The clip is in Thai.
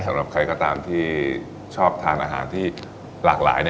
สำหรับใครก็ตามที่ชอบทานอาหารที่หลากหลาย